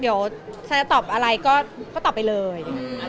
เดี๋ยวฉันจะตอบอะไรก็ตอบไปเลย